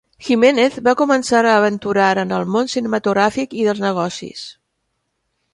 Jimenez va començar a aventurar en el món cinematogràfic i dels negocis.